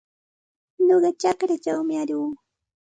Nuqa chakraćhawmi aruu.